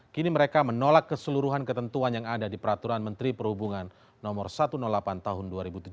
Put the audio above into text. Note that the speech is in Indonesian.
kini mereka menolak keseluruhan ketentuan yang ada di peraturan menteri perhubungan no satu ratus delapan tahun dua ribu tujuh belas